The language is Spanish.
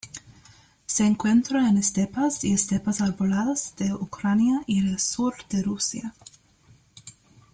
Se encuentra en estepas y estepas arboladas de Ucrania y el sur de Rusia.